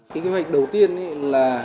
kế hoạch đầu tiên là